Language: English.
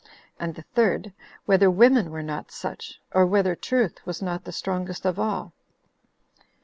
"and the third, "Whether women were not such? or whether truth was not the strongest of all?"